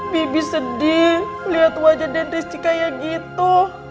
bibi sedih liat wajah den rizky kayak gitu